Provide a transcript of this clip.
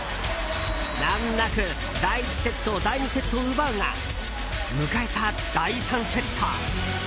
難なく、第１セット第２セットを奪うが迎えた第３セット。